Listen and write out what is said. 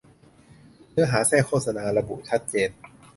เนื้อหาแทรกโฆษณา ระบุชัดเจน